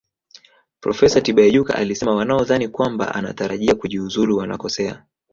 Profesa Tibaijuka alisema wanaodhani kwamba anatarajia kujiuzulu wanakosea